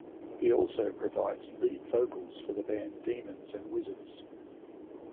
He also provides lead vocals for the band Demons and Wizards.